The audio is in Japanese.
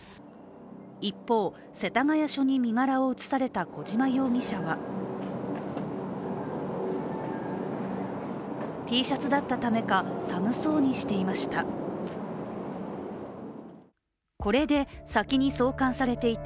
一方、世田谷署に身柄を移された小島容疑者はＴシャツだったためか、寒そうにしていました。